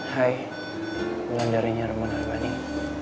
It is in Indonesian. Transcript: hai ulan dari nyeremon almaning